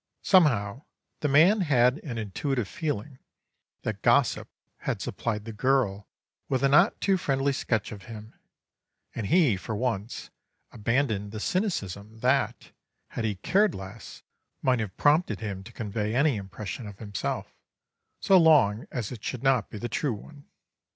Somehow the man had an intuitive feeling that gossip had supplied the girl with a not too friendly sketch of him, and he, for once, abandoned the cynicism that, had he cared less, might have prompted him to convey any impression of himself, so long as it should not be the true one.